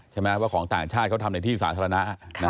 ใช่ไหมว่าของต่างชาติเขาทำในที่สาธารณะ